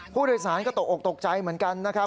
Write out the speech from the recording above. ผู้โดยสารก็ตกออกตกใจเหมือนกันนะครับ